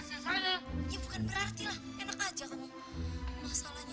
sampai jumpa di video selanjutnya